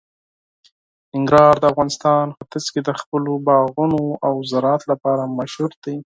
ننګرهار د افغانستان ختیځ کې د خپلو باغونو او زراعت لپاره مشهور دی.